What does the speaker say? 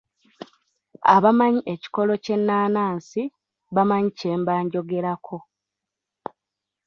Abamanyi ekikolo ky'ennaanansi bamanyi kye mba njogerako.